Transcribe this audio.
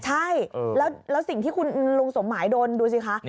ใช่แล้วสิ่งที่คุณลุงสมหมายโดนดูสิคะ